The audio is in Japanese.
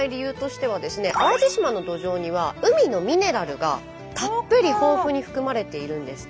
淡路島の土壌には海のミネラルがたっぷり豊富に含まれているんですって。